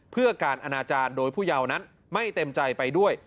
เพื่อการอนาจารย์โดยผู้เยาว์นั้นไม่เต็มใจไปด้วย